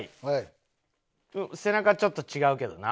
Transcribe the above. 背中ちょっと違うけどな。